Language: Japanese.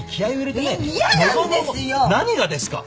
何がですか？